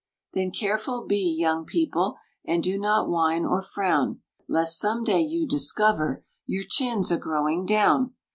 Then careful be, young people, And do not whine or frown, Lest some day you discover Your chin's a growing down.